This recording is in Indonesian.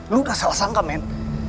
lu udah salah sangka men